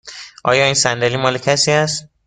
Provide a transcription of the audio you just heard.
آیا این صندلی مال کسی است؟